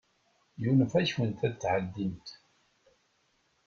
Yunef-akent ad tɛeddimt.